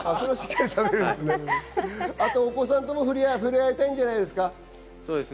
あと、お子さんとも触れ合いたいんじゃないですか？